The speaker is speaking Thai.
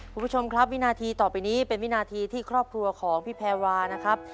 คุณผู้ชมครับวินาทีต่อไปนี้เป็นวินาทีที่ครอบครัวของพี่แพรวานะครับ